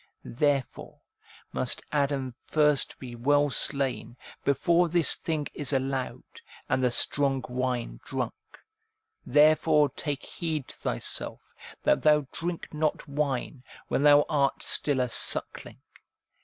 Therefore must Adam first be well slain, before this thing is allowed, and the strong wine drunk. Therefore take heed to PROLOGUE TO ROMANS 345 thyself, that thou drink not wine, when thou art still a suckling.